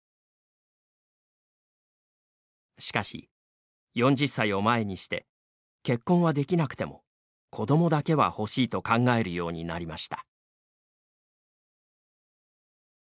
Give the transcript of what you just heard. しかし、４０歳を前にして結婚はできなくても子どもだけは欲しいと考えるようになりました。